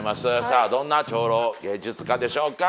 さあどんな超老芸術家でしょうか。